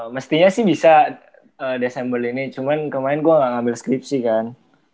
mestinya sih bisa desember ini cuman kemarin gue gak ngambil skripsi kan